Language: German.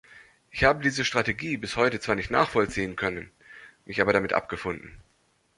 Ich habe diese Strategie bis heute zwar nicht nachvollziehen können, mich aber damit abgefunden.